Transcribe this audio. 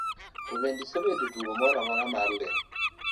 to be isebedo e tugo moro amora mar lig?